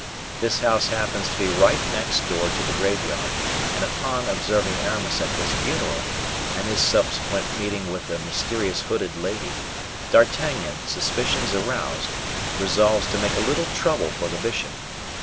This house happens to be right next door to the graveyard, and upon observing Aramis at this funeral, and his subsequent meeting with a mysterious hooded lady, D'Artagnan, suspicions aroused, resolves to make a little trouble for the bishop.